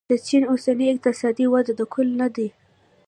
د چین اوسنۍ اقتصادي وده د کل نه دی.